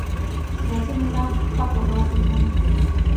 سیاسي نظام په ښه توګه وپيژنئ.